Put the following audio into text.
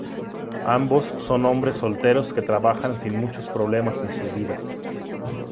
Ambos son hombres solteros que trabajan sin muchos problemas en sus vidas.